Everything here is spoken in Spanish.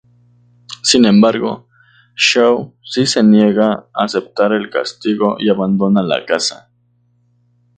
Sin embargo, Xiao Si se niega a aceptar el castigo y abandona la casa.